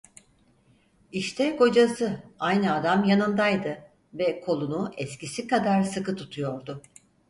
İşte kocası, aynı adam yanındaydı ve kolunu eskisi kadar sıkı tutuyordu.